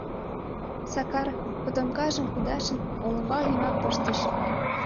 Сакар котомкажым, кудашын, олымбал йымак пыштыш.